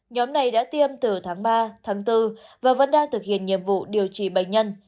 nhóm này đã tiêm từ tháng ba tháng bốn và vẫn đang thực hiện nhiệm vụ điều trị bệnh nhân